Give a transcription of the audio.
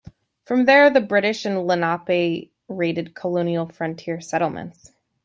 From there the British and Lenape raided colonial frontier settlements.